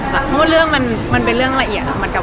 เพราะว่าเรื่องมันเป็นเรื่องละเอียด